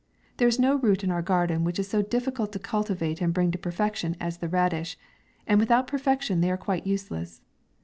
There is no root in our garden which is so difficult to cultivate and bring to perfection, as the radish : and without perfection they are quite useless.